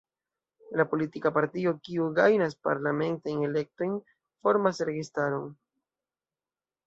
La politika partio, kiu gajnas parlamentajn elektojn, formas registaron.